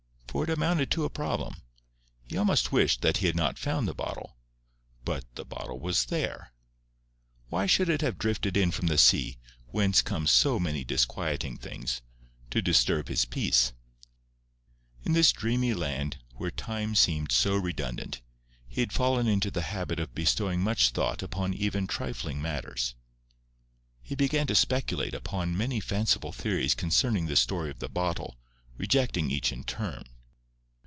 For it amounted to a problem. He almost wished that he had not found the bottle; but the bottle was there. Why should it have drifted in from the sea, whence come so many disquieting things, to disturb his peace? In this dreamy land, where time seemed so redundant, he had fallen into the habit of bestowing much thought upon even trifling matters. He began to speculate upon many fanciful theories concerning the story of the bottle, rejecting each in turn.